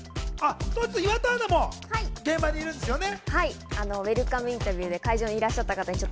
岩田アナも当日現場にいるんですよね？